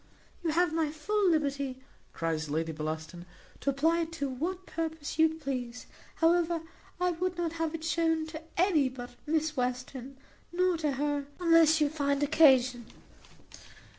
"You have my full liberty," cries Lady Bellaston, "to apply it to what purpose you please. However, I would not have it shewn to any but Miss Western, nor to her unless you find occasion."